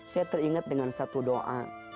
saya teringat dengan satu doa